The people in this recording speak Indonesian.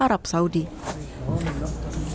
dan akan diganti setiap setahun